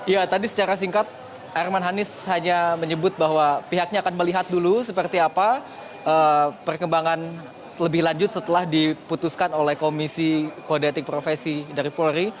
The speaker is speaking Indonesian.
ya tadi secara singkat arman hanis hanya menyebut bahwa pihaknya akan melihat dulu seperti apa perkembangan lebih lanjut setelah diputuskan oleh komisi kodetik profesi dari polri